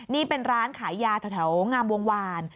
นี่เป็นร้านขายยาแถวงามวงวาน